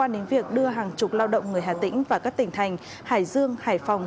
đến việc đưa hàng chục lao động người hà tĩnh và các tỉnh thành hải dương hải phòng